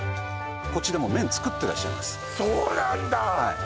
こっちでもう麺作ってらっしゃいますそうなんだ